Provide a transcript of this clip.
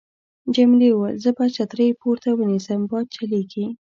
جميلې وويل:: زه به چترۍ پورته ونیسم، باد چلېږي.